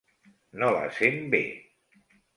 No la sent bé.